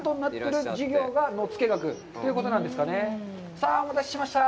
さあ、お待たせしました。